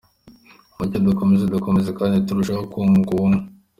Mucyo dukomeze dukomere kandi turusheho kunga ubumwe.